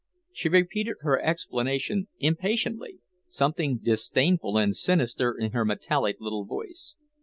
She repeated her explanation impatiently, something disdainful and sinister in her metallic little voice.